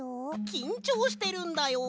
きんちょうしてるんだよ。